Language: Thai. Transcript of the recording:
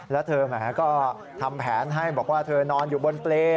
แล้วเธอแหมก็ทำแผนให้บอกว่าเธอนอนอยู่บนเปรย์